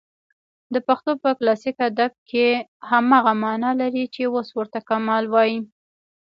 د پښتو په کلاسیک ادب کښي هماغه مانا لري، چي اوس ورته کمال وايي.